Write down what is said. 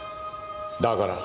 だから？